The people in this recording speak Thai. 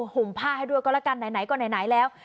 อ๋อหมพาให้ดูก็ละกันไหนก่อนไหนแล้ว